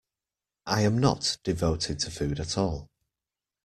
I am not devoted to food at all.